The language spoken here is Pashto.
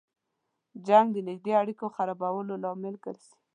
جنګ د نږدې اړیکو خرابولو لامل ګرځي.